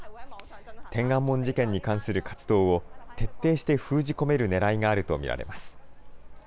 天安門事件に関する活動を、徹底して封じ込めるねらいがあると見られます。